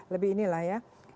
lebih ini lah ya